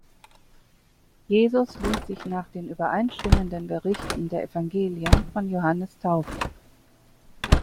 Jesus ließ sich nach den übereinstimmenden Berichten der Evangelien von Johannes taufen.